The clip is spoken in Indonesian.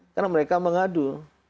karena mereka mengadu